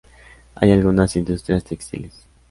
Hay algunas industrias textiles.